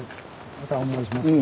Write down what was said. またお願いします。